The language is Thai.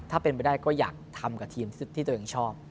ถ้าเป็นไปได้ก็อยากทำกับทีมที่ตัวเองชอบ